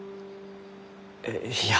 えいや。